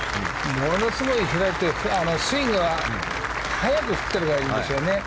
ものすごい開いてスイングは、早く振っていればいいんですよね。